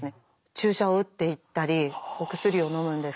注射を打っていったりお薬をのむんですけれども。